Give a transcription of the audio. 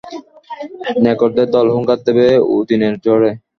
নেকড়েদের দল হুংকার দেবে ওদিনের ঝড়ে।